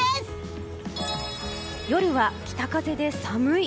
夜は北風で寒い。